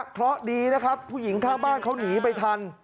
เพราะดีนะครับผู้หญิงข้างบ้านเขาหนีไปทัน